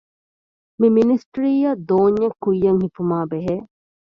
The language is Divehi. މި މިނިސްޓްރީއަށް ދޯންޏެއް ކުއްޔަށް ހިފުމާއި ބެހޭ